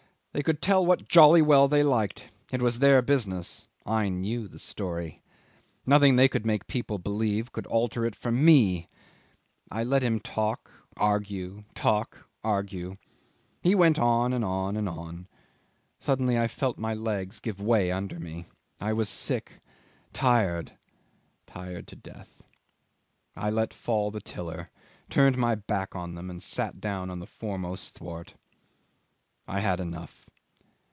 "They could tell what they jolly well liked. It was their business. I knew the story. Nothing they could make people believe could alter it for me. I let him talk, argue talk, argue. He went on and on and on. Suddenly I felt my legs give way under me. I was sick, tired tired to death. I let fall the tiller, turned my back on them, and sat down on the foremost thwart. I had enough.